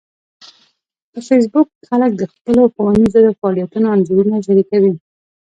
په فېسبوک کې خلک د خپلو ښوونیزو فعالیتونو انځورونه شریکوي